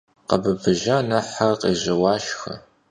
Khêbıbaje nexhre khêjeuaşşxe.